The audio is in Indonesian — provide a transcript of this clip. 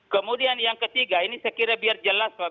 kemudian yang ketiga ini sekiranya biar jelas pak